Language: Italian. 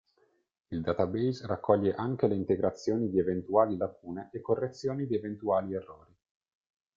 Il database raccoglie anche le integrazioni di eventuali lacune e correzioni di eventuali errori.